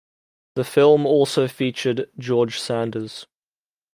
The film also featured George Sanders.